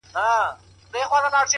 اوس هم زما د وجود ټوله پرهرونه وايي!!